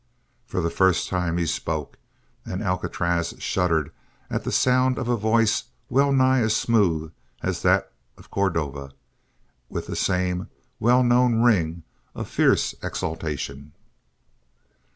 For the first time he spoke, and Alcatraz shuddered at the sound of a voice well nigh as smooth as that of Cordova, with the same well known ring of fierce exultation.